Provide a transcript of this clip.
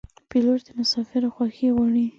پیلوټ د مسافرو خوښي غواړي.